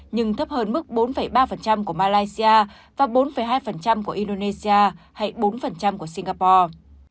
nhưng thấp hơn mức bốn ba của malaysia và bốn hai của indonesia hay bốn của singapore